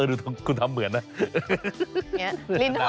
ดูคุณทำเหมือนนะ